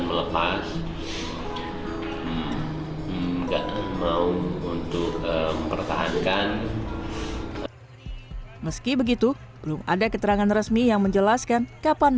kapan baimuang akan mencabut